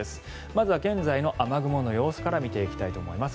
まずは現在の雨雲の様子から見ていきたいと思います。